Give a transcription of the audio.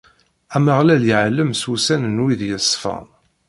Ameɣlal iɛlem s wussan n wid yeṣfan.